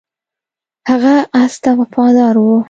هغه اس ته وفادار و.